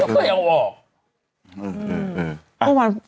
กลับไปเอาออก